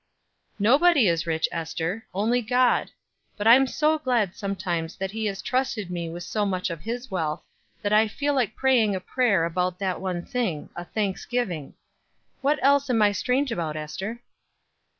"Nobody is rich, Ester, only God; but I'm so glad sometimes that he has trusted me with so much of his wealth, that I feel like praying a prayer about that one thing a thanksgiving. What else am I strange about, Ester?"